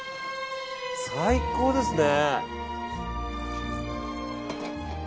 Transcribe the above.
最高ですね。